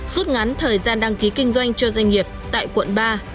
suốt ngắn thời gian đăng ký kinh doanh cho doanh nghiệp tại quận ba